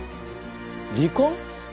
離婚？